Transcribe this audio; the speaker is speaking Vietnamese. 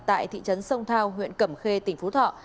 tại thị trấn sông thao huyện cẩm khê tỉnh phú thọ